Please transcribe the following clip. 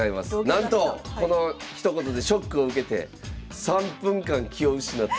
なんとこのひと言でショックを受けて３分間気を失った。